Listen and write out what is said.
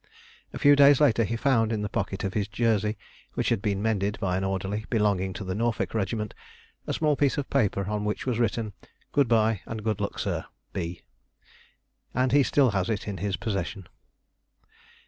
A few days later he found in the pocket of his jersey, which had been mended by an orderly belonging to the Norfolk regiment, a small piece of paper on which was written, "Good bye, and good luck, sir. B.," and he still has it in his possession.